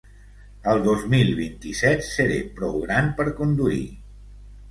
Al dos mil vint-i-set seré prou gran per conduir.